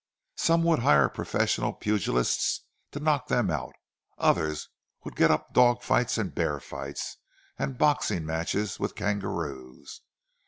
Some would hire professional pugilists to knock them out; others would get up dog fights and bear fights, and boxing matches with kangaroos.